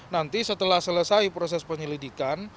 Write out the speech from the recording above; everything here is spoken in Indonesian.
nanti setelah selesai proses penyelidikan